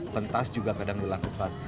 pentas juga kadang dilakukan